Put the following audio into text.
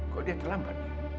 kok dia terlambat